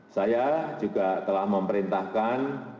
saya juga telah memerintahkan